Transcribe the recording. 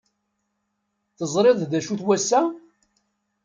Teẓriḍ d acu-t wass-a?